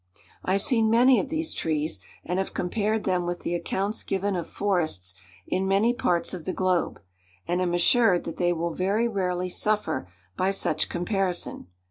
_ I have seen many of these trees, and have compared them with the accounts given of forests in many parts of the globe, and am assured that they will very rarely suffer by such comparison.